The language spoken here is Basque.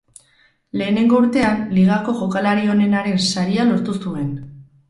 Lehenengo urtean, Ligako Jokalari Onenaren Saria lortu zuen.